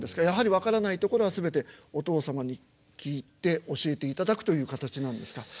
やはり分からないところは全てお父様に聞いて教えていただくという形なんですか？